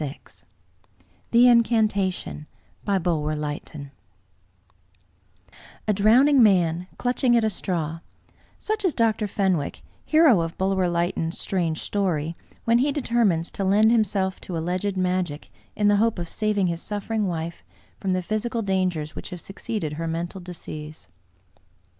69 Bulwer Lytton The Incantation A drowning man clutching at a straw — such is Dr. Fenwick, hero of Bulwer Lytton's "Strange Story" when he determines to lend himself to alleged " magic " in the hope of saving his suffering wife from the physical dangers which have succeeded her mental disease.